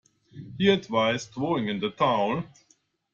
He advised throwing in the towel.